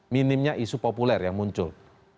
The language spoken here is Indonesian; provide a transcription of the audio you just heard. minimnya isu populer yang muncul